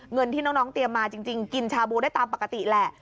เงินที่น้องเตรียมมาจริงกินชาบูได้ตามปกติแหละ